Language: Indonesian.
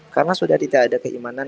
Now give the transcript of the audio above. karena sudah tidak ada keimanan